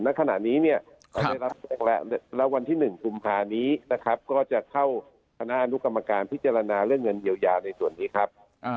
ณขณะนี้เนี่ยแล้ววันที่๑กุมภานี้นะครับก็จะเข้าคณะอนุกรรมการพิจารณาเรื่องเงินเยียวยาในส่วนนี้ครับ